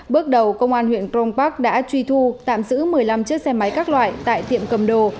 bước đầu công an huyện crong park đã truy thu tạm giữ một mươi năm chiếc xe máy các loại tại tiệm cầm đồ